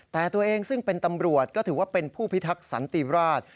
แต่ตัวเองซึ่งเป็นตำรวจก็ถือว่าเป็นผู้พิทักษันติราช